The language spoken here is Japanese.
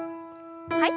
はい。